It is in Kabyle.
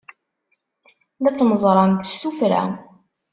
La ttmeẓrant s tuffra.